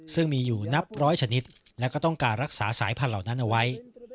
ซึ่งมีอยู่นับร้อยชนิดและก็ต้องการรักษาสายพันธุเหล่านั้นเอาไว้